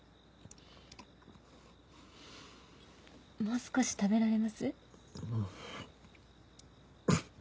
もう少し食べられます？